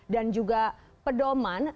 dan juga pedoman